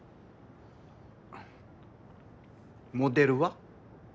あモデルは？